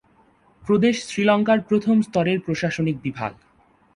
প্রদেশ শ্রীলঙ্কার প্রথম স্তরের প্রশাসনিক বিভাগ।